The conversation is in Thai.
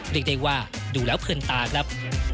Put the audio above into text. เรียกได้ว่าดูแล้วเพลินตาครับ